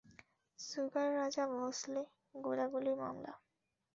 Sugar Raja Bhonsle, গোলাগুলি মামলা।